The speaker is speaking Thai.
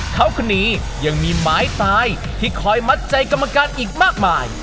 เขาคนนี้ยังมีหมายตายที่คอยมัดใจกรรมการอีกมากมาย